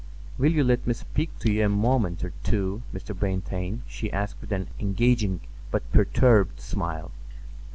"Will you let me speak to you a moment or two, Mr. Brantain?" she asked with an engaging but perturbed smile.